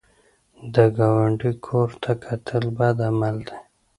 د ګاونډي کور ته کتل بد عمل دی